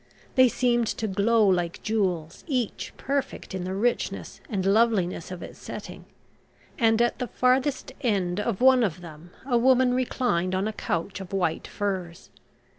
They seemed to glow like jewels, each perfect in the richness and loveliness of its setting, and at the farthest end of one of them a woman reclined on a couch of white furs.